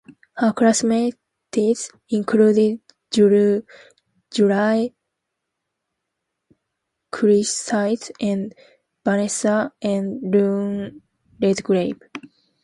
Her classmates included Julie Christie and Vanessa and Lynn Redgrave.